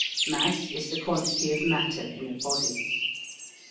Mass is the quantity of matter in a body.